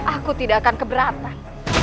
aku tidak akan keberatan